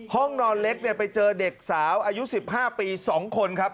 ห้องนอนเล็กเนี่ยไปเจอเด็กสาวอายุ๑๕ปี๒คนครับ